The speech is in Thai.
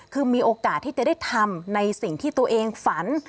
คือมีโอกาสที่จะได้ทำในสิ่งที่ตัวเองฝัน